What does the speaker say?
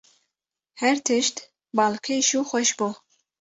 Her tişt balkêş û xweş bû.